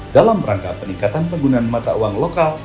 dalam rangka peningkatan penggunaan mata uang lokal